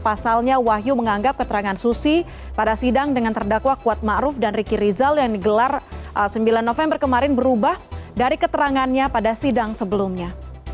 pasalnya wahyu menganggap keterangan susi pada sidang dengan terdakwa kuat ⁇ maruf ⁇ dan riki rizal yang digelar sembilan november kemarin berubah dari keterangannya pada sidang sebelumnya